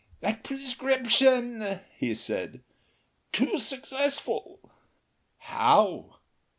"That prescription," he said. "Too successful." "How?"